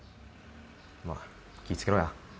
まあ気ぃ付けろや。